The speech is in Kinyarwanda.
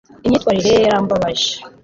imyitwarire ye yarambabaje